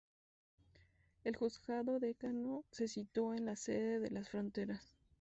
El juzgado Decano se sitúa en la sede de Las Fronteras.